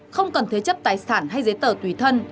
không cần thế chấp tài sản hay giấy tờ tùy thân